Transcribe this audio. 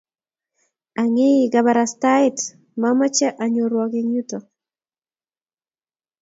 ang'ii kabarastaet mamache anyorwok eng yuto